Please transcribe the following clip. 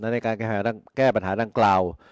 ในการแก้ปัญหาดังกล่าว